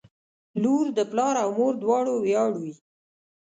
• لور د پلار او مور دواړو ویاړ وي.